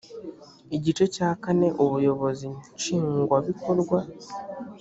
igice cya kane ubuyobozi nshingwabikorwa